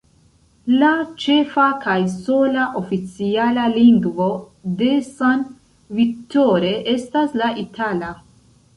La ĉefa kaj sola oficiala lingvo de San Vittore estas la itala.